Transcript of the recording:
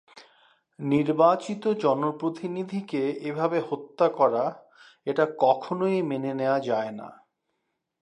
নির্বাচিত জনপ্রতিনিধিকে এভাবে হত্যা করা, এটা কখনোই মেনে নেওয়া যায় না।